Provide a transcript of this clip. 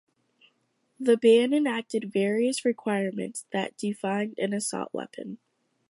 The ban enacted various requirements that defined an assault weapon.